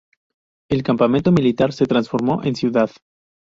El campamento militar se transformó en ciudad.